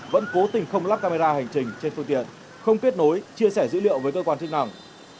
vẫn cố tình không lắp camera hành trình trên phương tiện không kết nối chia sẻ dữ liệu với cơ quan chức năng